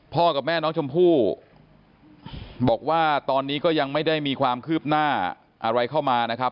กับแม่น้องชมพู่บอกว่าตอนนี้ก็ยังไม่ได้มีความคืบหน้าอะไรเข้ามานะครับ